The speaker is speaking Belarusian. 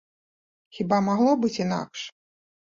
Хіба магло быць інакш?